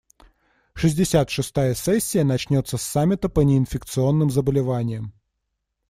Шестьдесят шестая сессия начнется с саммита по неинфекционным заболеваниям.